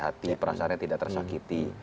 hati perasaannya tidak tersakiti